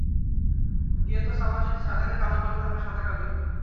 গেতো-সামা যদি সাদাকে কালো বলে, তাহলে সাদা কালোই।